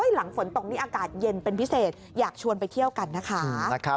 หลังฝนตกนี่อากาศเย็นเป็นพิเศษอยากชวนไปเที่ยวกันนะคะ